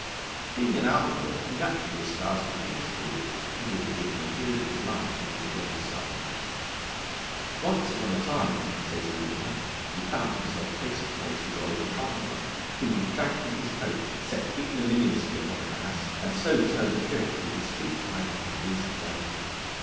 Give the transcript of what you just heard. Being an outlaw, he naturally espoused the King's cause, and would have given a year of his life to meet a Regicide. Once upon a time, says rumour, he found himself face to face with Oliver Cromwell, whom he dragged from his coach, set ignominiously upon an ass, and so turned adrift with his feet tied under the beast's belly.